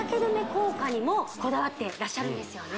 効果にもこだわってらっしゃるんですよね